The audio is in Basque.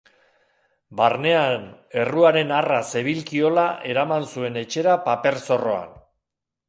Barnean erruaren harra zebilkiola eraman zuen etxera paper-zorroan.